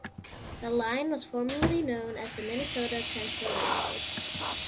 The line was formerly known as the Minnesota Transfer Railroad.